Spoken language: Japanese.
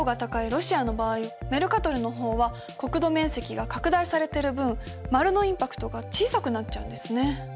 ロシアの場合メルカトルの方は国土面積が拡大されてる分丸のインパクトが小さくなっちゃうんですね。